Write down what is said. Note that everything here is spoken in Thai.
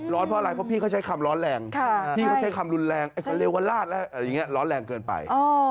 เพราะอะไรเพราะพี่เขาใช้คำร้อนแรงพี่เขาใช้คำรุนแรงไอ้เขาเรียกว่าลาดแล้วอะไรอย่างนี้ร้อนแรงเกินไป